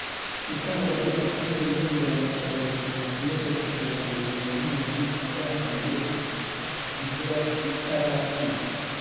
Itangwa ry’ amafumbire n’ inyongeramusaruro rikwiye kunozwa kugira ngo buri muhinzi azahingire ku gihe imvura itaracika.